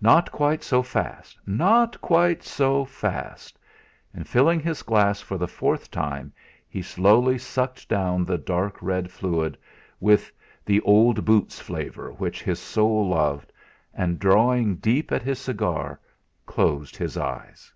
Not quite so fast! Not quite so fast! And filling his glass for the fourth time, he slowly sucked down the dark red fluid, with the "old boots" flavour which his soul loved, and, drawing deep at his cigar, closed his eyes.